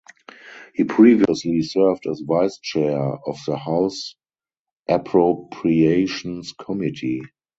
He previously served as vice chair of the House Appropriations Committee.